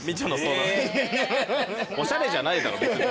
おしゃれじゃないだろ別に。